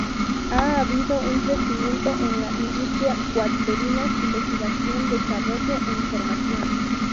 Ha habido un crecimiento en la industrias cuaternarias: investigación, desarrollo e información.